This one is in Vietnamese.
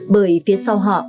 bởi phía sau họ